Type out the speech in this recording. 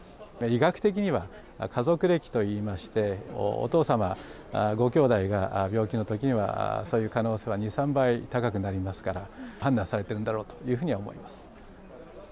医学的には家族歴といいまして、お父様、ご兄弟が病気のときには、そういう可能性は２、３倍高くなりますから、判断されてるんだろうというふうには思います。